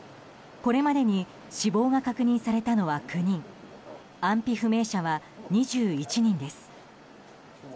これまでに死亡が確認されたのは９人安否不明者は２１人です。